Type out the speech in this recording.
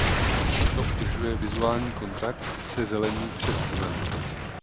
To udržuje vizuální kontakt se zelení před domem.